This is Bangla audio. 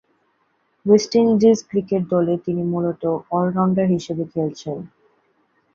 ওয়েস্ট ইন্ডিজ ক্রিকেট দলে তিনি মূলতঃ অল-রাউন্ডার হিসেবে খেলছেন।